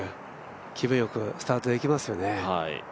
気分よくスタートできますよね。